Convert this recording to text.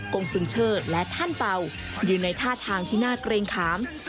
งสุนเชิดและท่านเป่าอยู่ในท่าทางที่น่าเกรงขาม